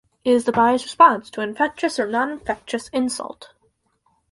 It is the body's response to an infectious or noninfectious insult.